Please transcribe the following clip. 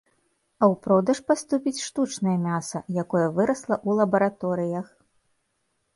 А ў продаж паступіць штучнае мяса, якое вырасла ў лабараторыях.